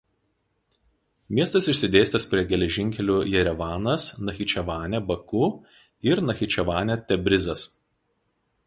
Miestas išsidėstęs prie geležinkelių Jerevanas–Nachičevanė–Baku ir Nachičevanė–Tebrizas.